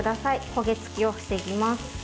焦げ付きを防ぎます。